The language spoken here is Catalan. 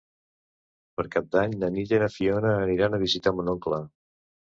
Per Cap d'Any na Nit i na Fiona aniran a visitar mon oncle.